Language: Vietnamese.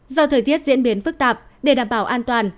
do thời tiết diễn biến phức tạp để đảm bảo an toàn